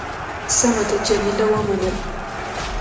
سمه ده. جميله ومنله.